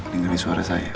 dengerin suara saya